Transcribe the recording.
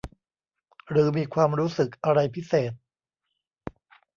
หรือมีความรู้สึกอะไรพิเศษ